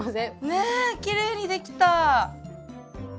ねっきれいにできた。